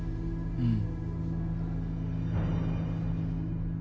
うん。